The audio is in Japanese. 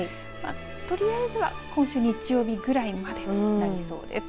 取りあえずは今週日曜日ぐらいまでとなりそうです。